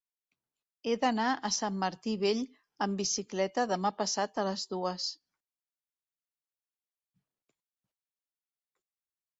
He d'anar a Sant Martí Vell amb bicicleta demà passat a les dues.